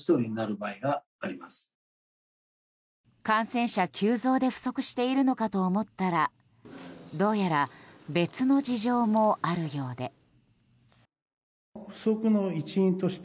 感染者急増で不足しているのかと思ったらどうやら別の事情もあるようで。